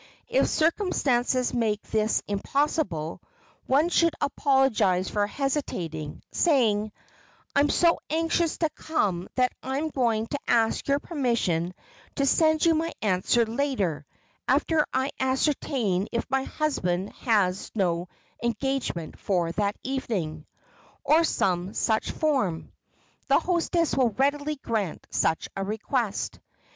If circumstances make this impossible, one should apologize for hesitating, saying, "I am so anxious to come that I am going to ask your permission to send you my answer later, after I ascertain if my husband has no engagement for that evening,"—or some such form. The hostess will readily grant such a request.